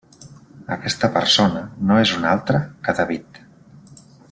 Aquesta persona no és una altra que David.